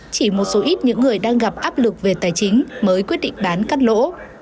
chỉ một số ít những người đang gặp áp lực về tài chính mới quyết định bán cắt lỗ